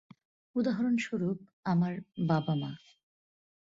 উদাহরণস্বরূপ, আমার বাবা-মা।